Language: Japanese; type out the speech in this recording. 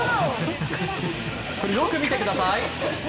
よく見てください